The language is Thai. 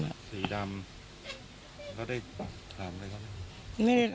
ก็ถามถ้าใครว่าไง